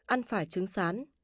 ăn phải trứng sán